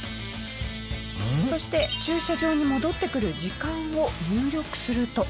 そして駐車場に戻ってくる時間を入力すると。